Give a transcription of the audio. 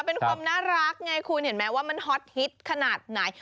เป็นความน่ารักไงคุณเห็นไหมว่ามันฮอตฮิตขนาดไหน